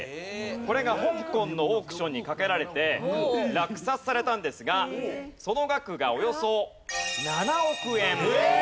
これが香港のオークションにかけられて落札されたんですがその額がおよそ７億円！